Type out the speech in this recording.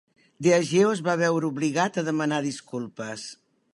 Diageo es va veure obligat a demanar disculpes.